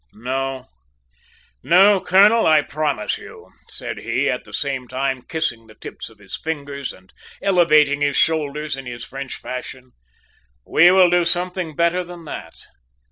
No, no, colonel, I promise you,' said he, at the same time kissing the tips of his fingers and elevating his shoulders, in his French fashion, `We will do something better than that.